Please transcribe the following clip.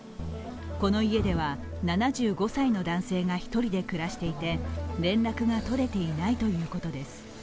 この家では７５歳の男性が１人で暮らしていて連絡が取れていないということです。